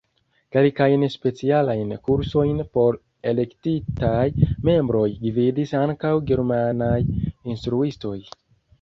Kelkajn specialajn kursojn por elektitaj membroj gvidis ankaŭ germanaj instruistoj.